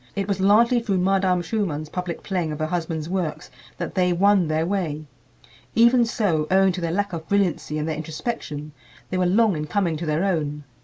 It was largely through Madame Schumann's public playing of her husband's works that they won their way. Even so, owing to their lack of brilliancy and their introspection, they were long in coming to their own.